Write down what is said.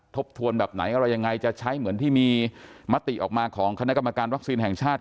ทบทวนแบบไหนอะไรยังไงจะใช้เหมือนที่มีมติออกมาของคณะกรรมการวัคซีนแห่งชาติ